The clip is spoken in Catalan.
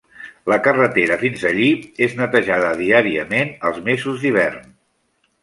La carretera fins allí és netejada diàriament als mesos d'hivern.